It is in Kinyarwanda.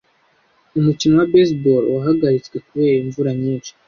Umukino wa baseball wahagaritswe kubera imvura nyinshi.